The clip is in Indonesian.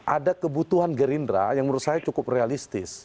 ada kebutuhan gerindra yang menurut saya cukup realistis